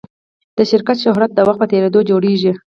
د شرکت شهرت د وخت په تېرېدو جوړېږي.